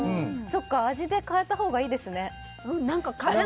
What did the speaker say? そっか味で変えたほうがいいですね。